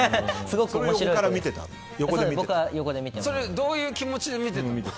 それはどういう気持ちで見てたの？